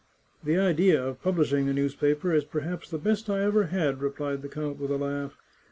The idea of publishing this newspaper is perhaps the best I ever had," replied the count with a laugh.